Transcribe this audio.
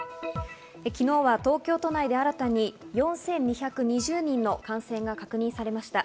昨日は東京都内で新たに４２２０人の感染が確認されました。